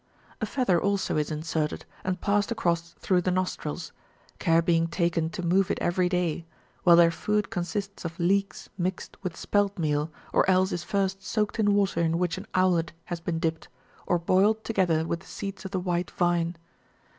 A feather also is inserted, and passed across through the nostrils, care being taken to move it every day ; while their food con sists of leeks mixed with speltmeal, or else is first soaked in water in which an owlet has been dipped, or boiled togetlicr with the seeds of the white vine.